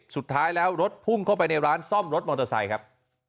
สุดท้ายแล้วรถพุ่งเข้าไปในร้านซ่อมรถมอเตอร์ไซค์ครับ